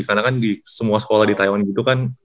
karena kan di semua sekolah di taiwan gitu kan